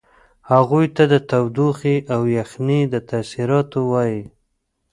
هغوی ته د تودوخې او یخنۍ د تاثیراتو وایئ.